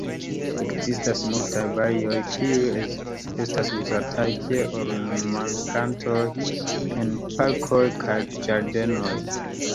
Ekzistas multaj varioj, kiuj estas uzataj kiel ornamplantoj en parkoj kaj ĝardenoj.